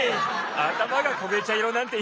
あたまがこげちゃいろなんて